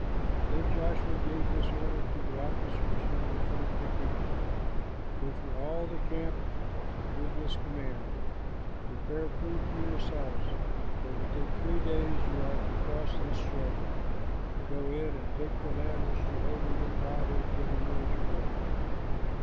Then Joshua gave this order to the officers who were over the people: "Go through all the camp and give this command: 'Prepare food for yourselves, for within three days you are to cross this Jordan, to go in and take the land which Jehovah your God has given you as your own.'"